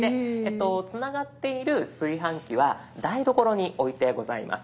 つながっている炊飯器は台所に置いてございます。